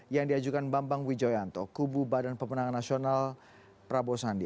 yang diajukan bambang wijoyanto kubu badan pemenang nasional prabowo sandi